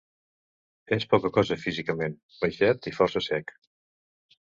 És poca cosa físicament, baixet i força sec.